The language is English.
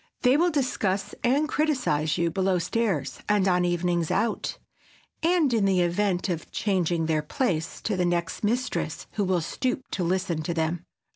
They will discuss and criticize you below stairs and on "evenings out," and, in the event of "changing their place," to the next mistress who will stoop to listen to them.